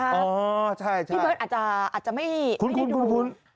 พี่เบิร์ตอาจจะไม่คุ้น